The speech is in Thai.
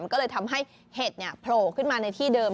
ก็เลยทำให้เห็ดโผล่ขึ้นมาในที่เดิม